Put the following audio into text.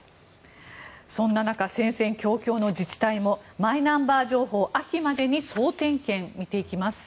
そんな中戦々恐々の自治体もマイナンバー情報秋までに総点検、見ていきます。